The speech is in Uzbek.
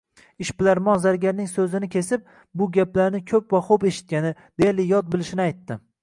Ishbilarmon zargarning soʻzini kesib, bu gaplarni koʻp va xoʻb eshitgani, deyarli yod bilishini aytdi